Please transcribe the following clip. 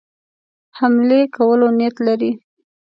حملې کولو نیت لري.